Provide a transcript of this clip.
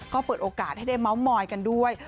ก็เปิดโอกาสให้ได้เมาส์มอยกันด้วย